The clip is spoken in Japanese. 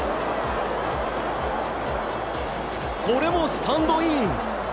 これもスタンドイン！